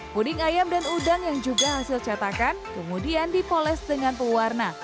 kuning ayam dan udang yang juga hasil cetakan kemudian dipoles dengan pewarna